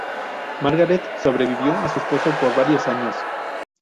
Margaret sobrevivió a su esposo por varios años.